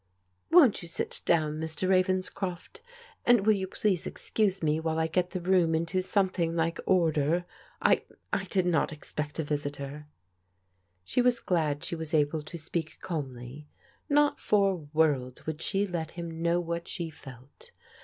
"Won't you sit down, Mr. Ravenscroft? And will you please excuse me while I get the room into some thing like order? I — I did not expect a visitor." She was glad she was able to speak calmly. Not for worlds would she let him know what she felt.